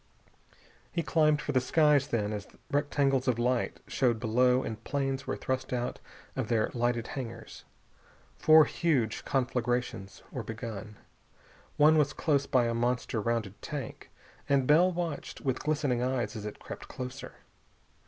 He climbed for the skies, then, as rectangles of light showed below and planes were thrust out of their lighted hangars. Four huge conflagrations were begun. One was close by a monster rounded tank, and Bell watched with glistening eyes as it crept closer.